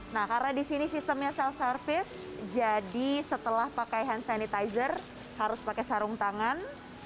nah karena di sini sistemnya self service jadi setelah pakai hand sanitizer harus pakai sarung tangan